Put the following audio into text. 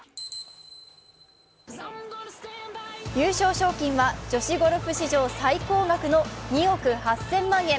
優勝賞金は女子ゴルフ史上最高額の２億８０００万円。